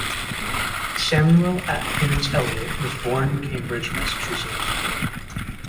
Samuel Atkins Eliot was born in Cambridge, Mass.